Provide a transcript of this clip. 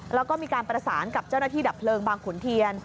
แล้วก็มีการประสานกับเจ้าหน้าที่ดับเพลิงบางขุนเทียน